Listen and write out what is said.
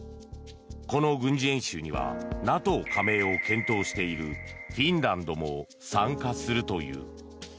この軍事演習にはＮＡＴＯ加盟を検討しているフィンランドも参加するという。